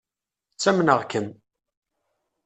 Ttamneɣ-kem.